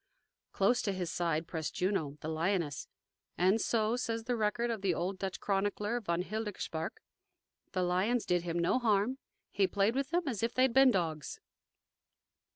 Close to his side pressed Juno, the lioness, and, so says the record of the old Dutch chronicler, von Hildegaersberch, "the lions did him no harm; he played with them as if they had been dogs."